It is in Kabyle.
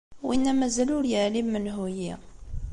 Winna mazal ur yeεlim menhu-yi.